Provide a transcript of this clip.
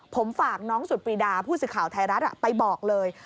ผมฝากน้องสุดปรีดาผู้สื่อข่าวไทยรัฐไปบอกเลย